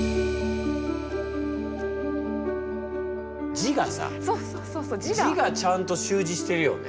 字がさ字がちゃんと習字してるよね。